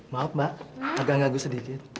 maaf mbak agak gagu sedikit